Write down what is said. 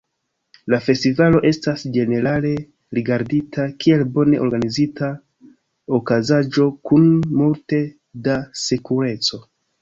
La festivalo estas ĝenerale rigardita kiel bone organizita okazaĵo, kun multe da sekureco.